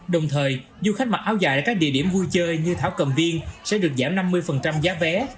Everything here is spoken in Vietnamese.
đồng thời du khách mặc áo dài tại các địa điểm vui chơi như thảo cầm viên sẽ được giảm năm mươi giá vé